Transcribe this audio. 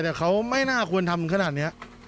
แต่เขาไม่น่าควรทำขนาดนี้